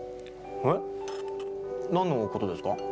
えっ？何のことですか？